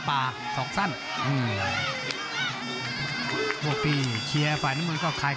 แปละโย่